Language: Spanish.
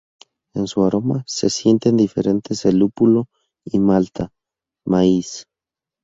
En su aroma se sienten diferentes el lúpulo y malta, maíz.